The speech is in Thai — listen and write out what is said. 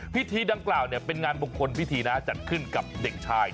พิธีดังกล่าวเป็นงานมงคลพิธีนะจัดขึ้นกับเด็กชาย